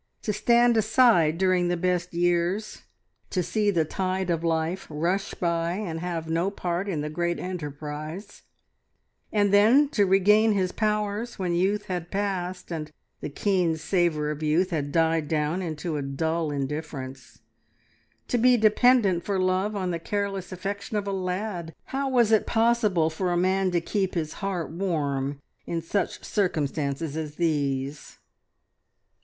To stand aside during the best years; to see the tide of life rush by, and have no part in the great enterprise; and then to regain his powers when youth had passed, and the keen savour of youth had died down into a dull indifference; to be dependent for love on the careless affection of a lad, how was it possible for a man to keep his heart warm in such circumstances as these?